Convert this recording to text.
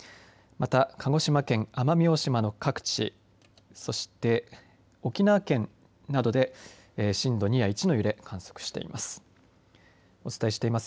また鹿児島県奄美大島の各地でそして沖縄県などで震度２や１の揺れ観測しています。